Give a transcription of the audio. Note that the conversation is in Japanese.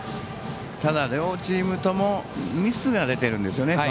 ただ、両チームともミスが出てるんですよね。